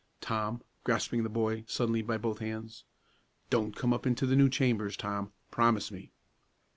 Tom," grasping the boy, suddenly, by both hands, "don't come up into the new chambers, Tom; promise me!"